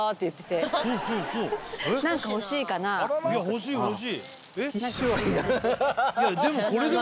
欲しい欲しい。